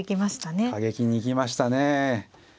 過激に行きましたね。